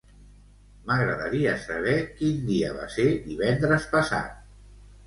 M'agradaria saber quin dia va ser divendres passat.